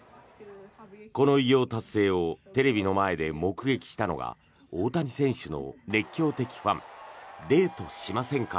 この偉業達成をテレビの前で目撃したのが大谷選手の熱狂的ファンデートしませんか？